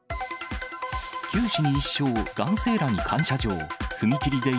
九死に一生、男性らに感謝状。